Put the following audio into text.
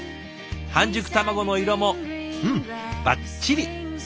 半熟卵の色もうんばっちり！